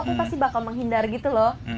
aku pasti bakal menghindar gitu loh